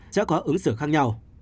chẳng có ứng xử khác nhau